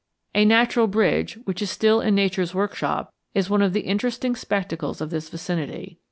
A natural bridge which is still in Nature's workshop is one of the interesting spectacles of this vicinity.